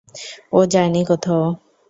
ও যায়নি কোথাও।